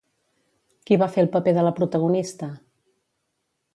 Qui va fer el paper de la protagonista?